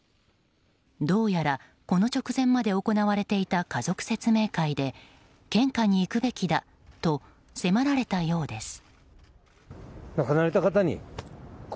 どうやら、この直前まで行われていた家族説明会で献花に行くべきだと迫られたようです。